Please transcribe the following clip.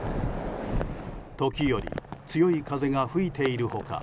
時折、強い風が吹いている他